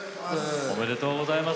おめでとうございます。